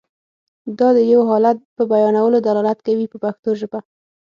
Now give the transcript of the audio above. یا د یو حالت په بیانولو دلالت کوي په پښتو ژبه.